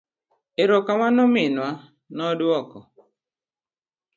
Ero kamano minwa, noduoko.